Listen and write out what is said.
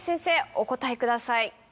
お答えください。